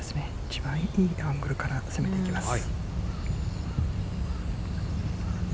一番いいアングルから攻めていきます。